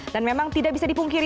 dan memang tidak bisa dipungkiri